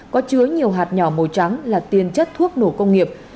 có chứa nhiều hạt nhỏ màu trắng là tiền chất thuốc nổ công nghiệp